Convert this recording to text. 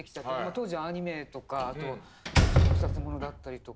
当時はアニメとか特撮ものだったりとか。